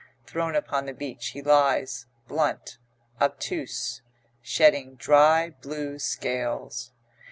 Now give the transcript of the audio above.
Thrown upon the beach he lies, blunt, obtuse, shedding dry blue scales.